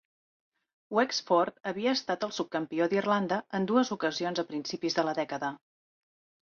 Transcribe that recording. Wexford havia estat el subcampió d'Irlanda en dues ocasions a principis de la dècada.